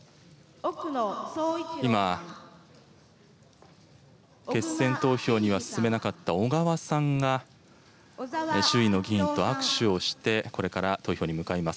今、決選投票には進めなかった小川さんが、周囲の議員と握手をして、これから投票に向かいます。